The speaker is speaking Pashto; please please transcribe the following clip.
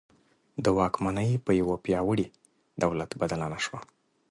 د واکمني پر یوه پیاوړي دولت بدله نه شوه.